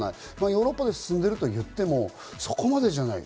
ヨーロッパで進んでいるといっても、そこまでじゃない。